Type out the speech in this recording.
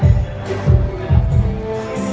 สโลแมคริปราบาล